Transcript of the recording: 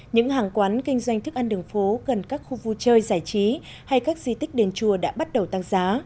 những hàng quán kinh doanh thức ăn đường phố gần các khu vui chơi giải trí hay các di tích đền chùa đã bắt đầu tăng giá